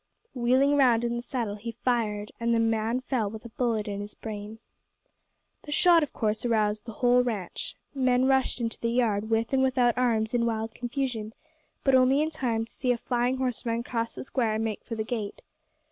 Wheeling round in the saddle he fired, and the man fell with a bullet in his brain. The shot of course aroused the whole ranch. Men rushed into the yard with and without arms in wild confusion, but only in time to see a flying horseman cross the square and make for the gate.